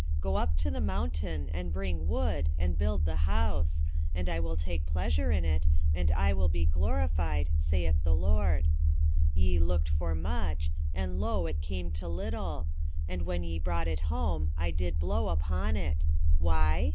1:8 Go up to the mountain, and bring wood, and build the house; and I will take pleasure in it, and I will be glorified, saith the LORD. 1:9 Ye looked for much, and, lo it came to little; and when ye brought it home, I did blow upon it. Why?